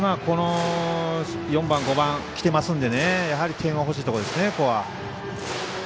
４番、５番きてますので点は欲しいところですね、ここは。